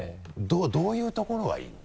どういうところがいいの？